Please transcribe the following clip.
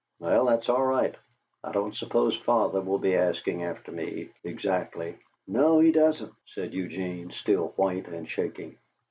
Well, that's all right. I don't suppose father will be asking after me exactly." "No, he doesn't," said Eugene, still white and shaking.